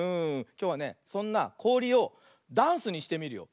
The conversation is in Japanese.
きょうはねそんなこおりをダンスにしてみるよ。